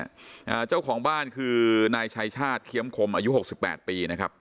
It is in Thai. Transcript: อ่าเจ้าของบ้านคือนายชัยชาติเคี้ยมคมอายุหกสิบแปดปีนะครับ